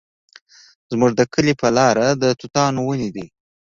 زموږ د کلي په لاره د توتانو ونې دي